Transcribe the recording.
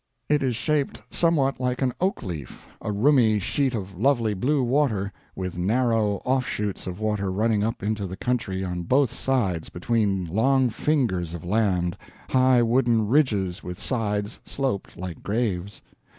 It is shaped somewhat like an oak leaf a roomy sheet of lovely blue water, with narrow off shoots of water running up into the country on both sides between long fingers of land, high wooden ridges with sides sloped like graves.